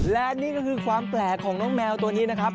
และนี่ก็คือความแปลกของน้องแมวตัวนี้นะครับ